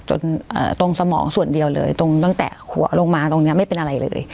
ตรงสมองส่วนเดียวเลยตรงตั้งแต่หัวลงมาตรงนี้ไม่เป็นอะไรเลย